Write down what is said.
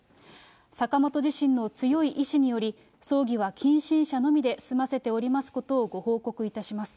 坂本自身の強い遺志により、葬儀は近親者のみで済ませておりますことをご報告いたします。